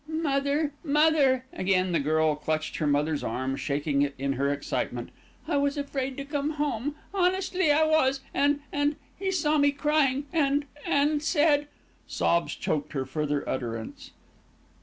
"Mother! mother!" Again the girl clutched her mother's arm, shaking it in her excitement. "I was afraid to come home, honestly I was, and and he saw me crying and and said " Sobs choked her further utterance.